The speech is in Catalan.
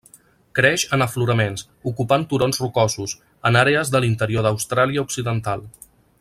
Creix en afloraments, ocupant turons rocosos, en àrees de l'interior d'Austràlia Occidental.